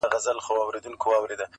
هم ملگری یې قاضي وو هم کوټوال وو؛